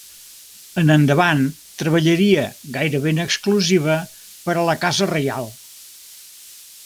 En endavant treballaria gairebé en exclusiva per a la casa reial.